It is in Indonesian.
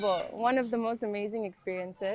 salah satu pengalaman yang paling luar biasa